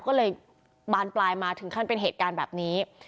ก็เลยบานปลายมาถึงขั้นเป็นเหตุการณ์แบบนี้